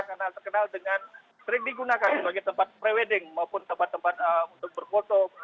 karena terkenal dengan sering digunakan sebagai tempat prewedding maupun tempat tempat untuk berfoto